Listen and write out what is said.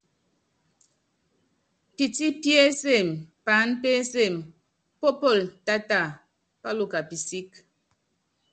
Pití pí ensem paán pé ensem, pópól táta páluka pisík.